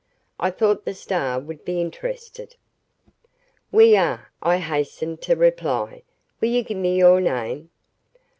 I thought the Star would be interested." "We are," I hastened to reply. "Will you give me your name?"